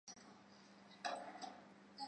卵形飘拂草为莎草科飘拂草属下的一个种。